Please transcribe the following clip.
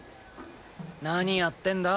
何やってんだ。